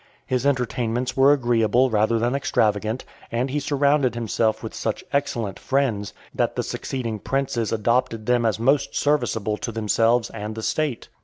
His entertainments were agreeable rather than extravagant; and he surrounded himself with such excellent friends, that the succeeding princes adopted them as most serviceable to themselves and the state.